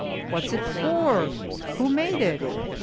What's it for? Who made it?"